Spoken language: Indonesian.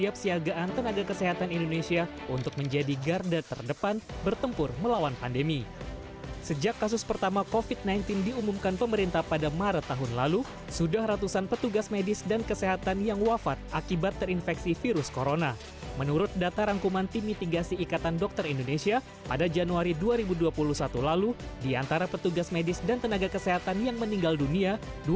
pada januari dua ribu dua puluh satu lalu di antara petugas medis dan tenaga kesehatan yang meninggal dunia